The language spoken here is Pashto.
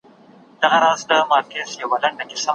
ایا څېړنه د احساساتو پر ځای منطق غواړي؟